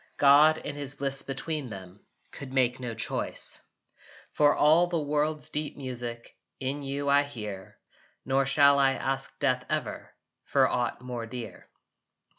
God in his Bliss between them Could make no choice. For all the world's deep music In you I hear: Nor shall I ask death, ever, For aught more dear.